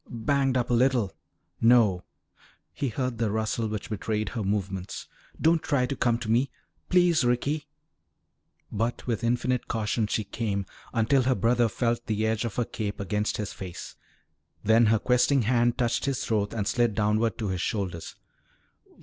"Banged up a little. No" he heard the rustle which betrayed her movements "don't try to come to me Please, Ricky!" But with infinite caution she came, until her brother felt the edge of her cape against his face. Then her questing hand touched his throat and slid downward to his shoulders.